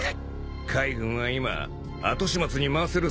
海軍は今後始末に回せる戦力がねえ。